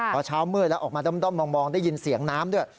พอเช้ามืดแล้วออกมาด้อมมองได้ยินเสียงน้ำด้วย